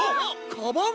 カバン？